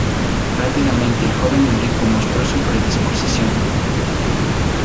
Rápidamente el joven Enrico mostró su predisposición.